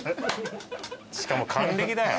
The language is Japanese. しかも還暦だよ。